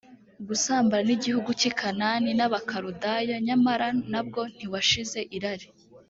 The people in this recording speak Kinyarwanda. gusambana n igihugu cy i kanani n abakaludaya n nyamara nabwo ntiwashize irari